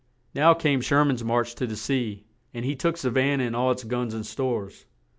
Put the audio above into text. Now came Sher man's march to the sea, and he took Sa van nah and all its guns and stores.